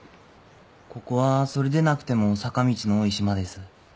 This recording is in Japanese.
ここはそれでなくても坂道の多い島です。